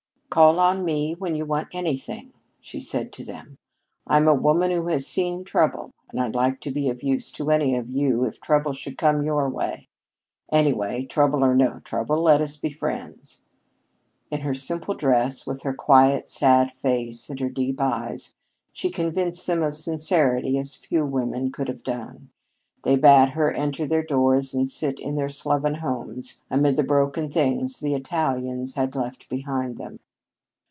"Call on me when you want anything," she said to them. "I'm a woman who has seen trouble, and I'd like to be of use to any of you if trouble should come your way. Anyhow, trouble or no trouble, let us be friends." In her simple dress, with her quiet, sad face and her deep eyes, she convinced them of sincerity as few women could have done. They bade her enter their doors and sit in their sloven homes amid the broken things the Italians had left behind them.